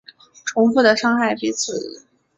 重复的伤害彼此